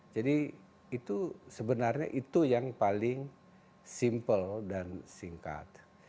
jadi itu sebenarnya itu yang paling simple dan singkat